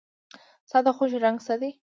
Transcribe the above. ستا د خوښې رنګ څه دی؟